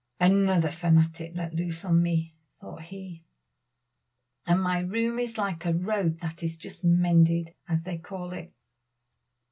"Another fanatic let loose on me," thought he, "and my room is like a road that is just mended, as they call it."